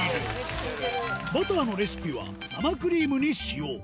バターのレシピは生クリームに塩